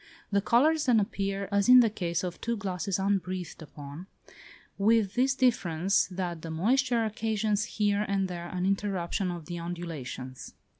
The colours then appear as in the case of two glasses unbreathed upon, with this difference, that the moisture occasions here and there an interruption of the undulations.